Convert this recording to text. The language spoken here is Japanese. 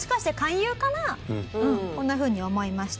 こんなふうに思いました。